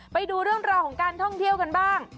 ไปดูเรื่องราวของการท่องเที่ยวกันบ้าง